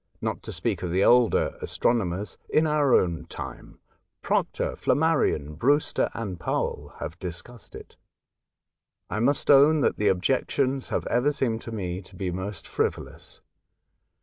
Not to speak of the older astronomers, in our own time Proctor, Flammarion, Brewster, and Powell have discussed it. I must own that the objections have ever seemed to me to be most frivolous.